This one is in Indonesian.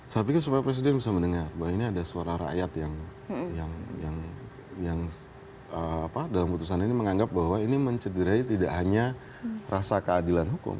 saya pikir supaya presiden bisa mendengar bahwa ini ada suara rakyat yang dalam putusan ini menganggap bahwa ini mencederai tidak hanya rasa keadilan hukum